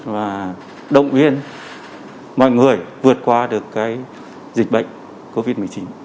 và động viên mọi người vượt qua được cái dịch bệnh covid một mươi chín